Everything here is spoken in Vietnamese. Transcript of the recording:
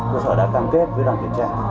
cơ sở đã cam kết với đoàn kiểm tra